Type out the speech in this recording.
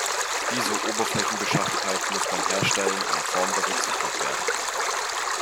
Diese Oberflächenbeschaffenheit muss beim Herstellen einer Form berücksichtigt werden.